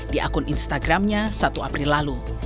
di akun instagramnya satu april lalu